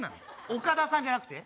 岡田さんじゃなくて？